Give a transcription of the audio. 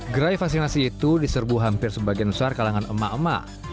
gerai vaksinasi itu diserbu hampir sebagian besar kalangan emak emak